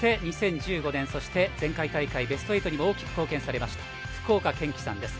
そして、２０１５年前回大会のベスト８にも大きく貢献されました福岡堅樹さんです。